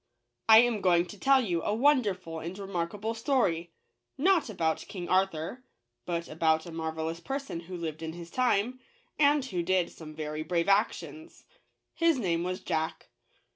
I am going to tell you a wonderful and remarkable story, not about King Arthur, but about a marvel ous person who lived in his time, and who did some very brave actions. H is name was Jack.